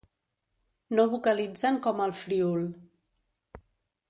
No vocalitzen com al Friül.